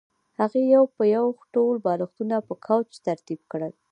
هغې یو په یو ټول بالښتونه په کوچ ترتیب کړل